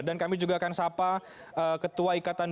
dan kami juga akan sapa ketua ikatan dukuh